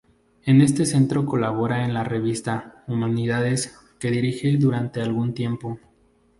En este centro colabora en la revista "Humanidades", que dirije durante algún tiempo.